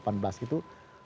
saya kira berarti